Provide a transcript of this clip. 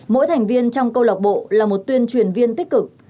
mỗi thành viên trong câu lạc bộ là một tuyên truyền viên tích cực